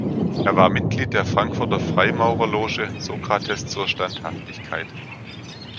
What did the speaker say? Er war Mitglied der Frankfurter Freimaurerloge „Sokrates zur Standhaftigkeit“.